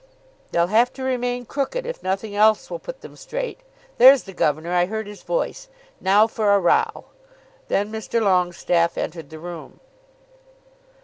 "They'll have to remain crooked if nothing else will put them straight. There's the governor. I heard his voice. Now for a row." Then Mr. Longestaffe entered the room.